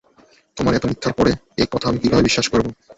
তোমার এতো মিথ্যার পরে, এই কথা আমি কিভাবে বিশ্বাস করবো?